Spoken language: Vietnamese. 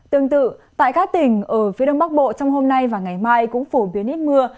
tương tự tại các tỉnh ở phía đông bắc bộ trong hôm nay và ngày mai cũng phổ biến ít mưa